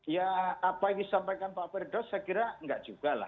ya apa yang disampaikan pak firdaus saya kira enggak juga lah